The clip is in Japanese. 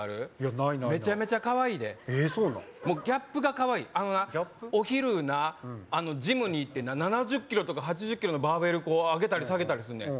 ないないメチャメチャかわいいでギャップがかわいいあのなお昼なジムに行ってな７０ｋｇとか８０ｋｇのバーベル上げたり下げたりすんねん